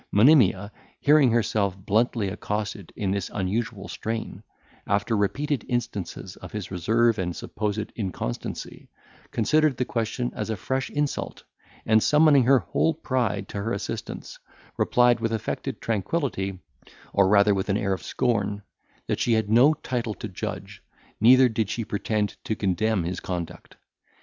Monimia, hearing herself bluntly accosted in this unusual strain, after repeated instances of his reserve and supposed inconstancy, considered the question as a fresh insult, and, summoning her whole pride to her assistance, replied, with affected tranquillity, or rather with an air of scorn, that she had no title to judge, neither did she pretend to condemn his conduct.